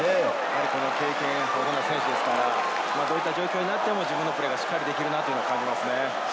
経験豊富な選手ですから、どういった状況になっても自分のプレーがしっかりできると感じますね。